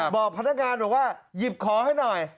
บอกพนักงานบอกว่าหยิบขอให้หน่อย